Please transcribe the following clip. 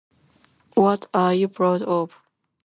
What are you proud of?